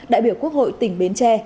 đại biểu quốc hội tỉnh bến tre